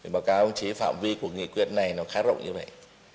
báo cáo chí phạm vi của nghị quyết này khá rộng như vậy